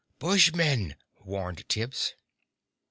"Bushmen!" warned Tibbs.